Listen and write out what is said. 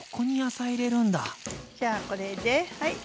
じゃあこれではい。